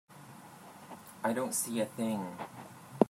I don't see a thing.